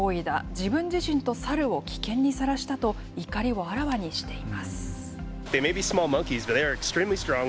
自分自身とサルを危険にさらしたと、怒りをあらわにしています。